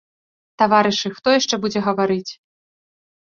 Таварышы, хто яшчэ будзе гаварыць.